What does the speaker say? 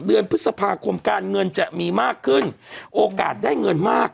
เดือนพฤษภาคมการเงินจะมีมากขึ้นโอกาสได้เงินมาก